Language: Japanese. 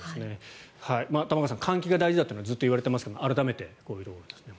玉川さん換気が大事だというのはずっと言われていますが改めて、こういう部分。